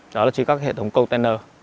đó là chỉ các hệ thống container